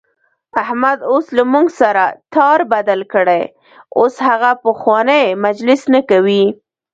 احمد اوس له موږ سره تار بدل کړی، اوس هغه پخوانی مجلس نه کوي.